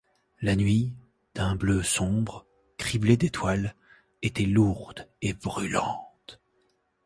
La nuit, d’un bleu sombre, criblée d’étoiles, était lourde et brûlante.